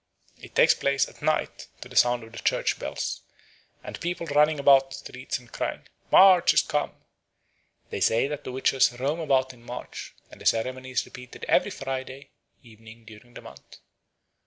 It takes place at night to the sound of the church bells, the people running about the streets and crying, "March is come." They say that the witches roam about in March, and the ceremony is repeated every Friday evening during the month.